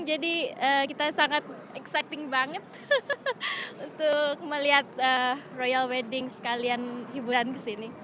jadi kita sangat exciting banget untuk melihat royal wedding sekalian hiburan ke sini